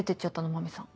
麻美さん。